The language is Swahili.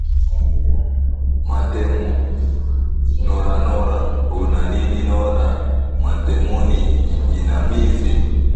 Matemo Nora Nora Una nini Nora Matemoni jinamizi